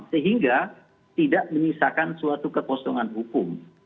sehingga tidak menyisakan suatu kekosongan hukum